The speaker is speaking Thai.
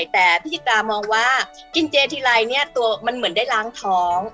แต่พี่จิตามองว่ากินเจทีไรเนี่ยตัวมันเหมือนได้ล้างท้อง